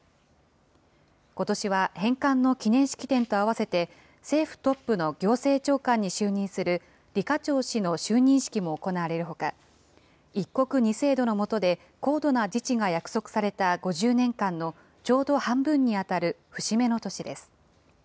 ことしは返還の記念式典とあわせて、政府トップの行政長官に就任する李家超氏の就任式も行われるほか、一国二制度のもとで高度な自治が約束された５０年間のちょうど半分に当たる節目の年です。